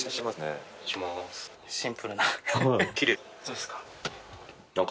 どうですか？